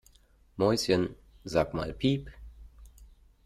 Mäuschen, sag mal piep!